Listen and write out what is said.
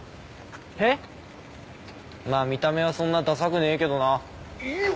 まあ見た目はそんなダサくねえけどな。